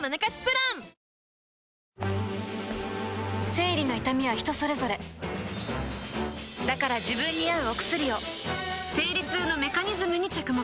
生理の痛みは人それぞれだから自分に合うお薬を生理痛のメカニズムに着目